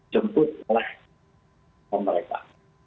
jemput oleh pemerintah